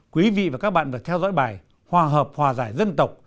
quý vị và các bạn vừa theo dõi bài hòa hợp hòa giải dân tộc